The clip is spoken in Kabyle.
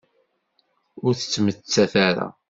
Ur tettmettat ara.